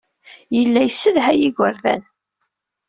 Yella yessedhay igerdan.